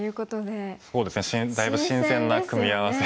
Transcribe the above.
そうですねだいぶ新鮮な組み合わせ。